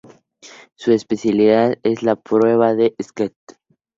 Su especialidad es la prueba de "skeet".